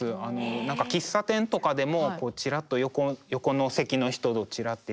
何か喫茶店とかでもちらっと横の席の人ちらって見たりとか。